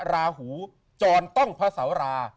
ราหูจรต้องพระสารา